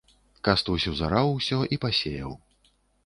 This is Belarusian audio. Кастусь узараў усё і пасеяў.